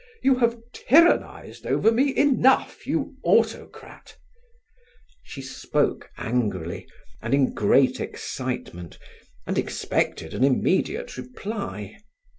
You have tyrannized over me enough, you autocrat!" She spoke angrily, and in great excitement, and expected an immediate reply.